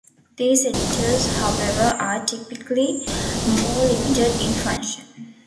These editors, however, are typically more limited in function.